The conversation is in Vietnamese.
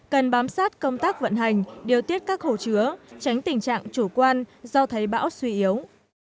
cần bám sát công tác vận hành điều tiết các hồ chứa tránh tình trạng chủ quan do thấy bão suy yếu